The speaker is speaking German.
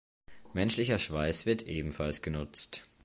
Menschlicher Schweiß wird ebenfalls genutzt.